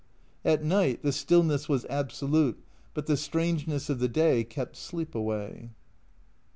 At night the stillness was absolute, but the strange ness of the day kept sleep away.